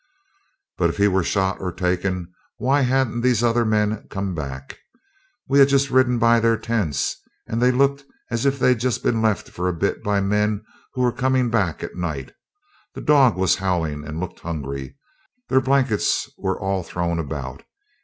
But if he were shot or taken, why hadn't these other men come back? We had just ridden by their tents, and they looked as if they'd just been left for a bit by men who were coming back at night. The dog was howling and looked hungry. Their blankets were all thrown about.